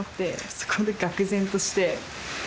そこでがく然として。